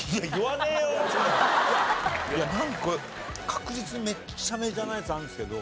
確実にめっちゃメジャーなやつあるんですけど。